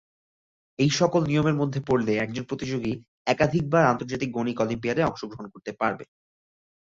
এই সকল নিয়মের মধ্যে পড়লে একজন প্রতিযোগী একাধিকবার আন্তর্জাতিক গণিত অলিম্পিয়াডে অংশগ্রহণ করতে পারবে।